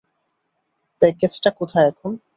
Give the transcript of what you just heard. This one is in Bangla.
প্যাকেজটা কোথায় এখন?